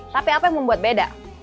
tapi apa yang membuat beda